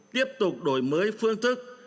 tiếp tục đổi mới phương thức